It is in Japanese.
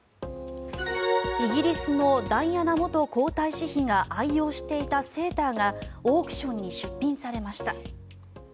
イギリスのダイアナ元皇太子妃が愛用していたセーターがオークションに出品されました。